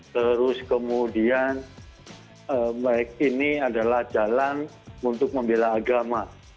terus kemudian ini adalah jalan untuk membela agama